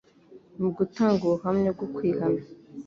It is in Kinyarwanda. Mu gutanga ubuhamya bwo kwihana,